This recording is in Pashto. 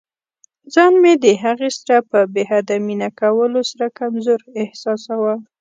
ځان مې د هغې سره په بې حده مینه کولو سره کمزوری احساساوه.